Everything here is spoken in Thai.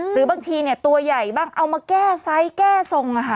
หรือบางทีตัวใหญ่บ้างเอามาแก้ไซส์แก้ทรง